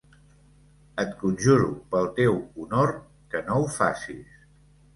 Et conjuro pel teu honor que no ho facis.